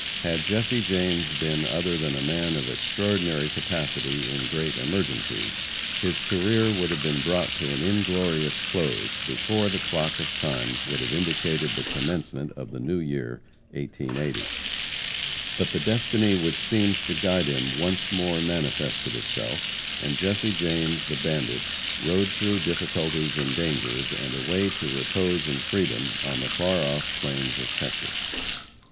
Had Jesse James been other than a man of extraordinary capacity in great emergencies, his career would have been brought to an inglorious close before the clock of Time would have indicated the commencement of the New Year, 1880. But the destiny which seems to guide him once more manifested itself, and Jesse James, the bandit, rode through difficulties and dangers, and away to repose and freedom on the far off plains of Texas.